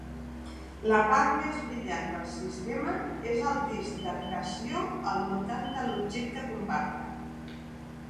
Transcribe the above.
La part més brillant del sistema és el disc d'acreció al voltant de l'objecte compacte.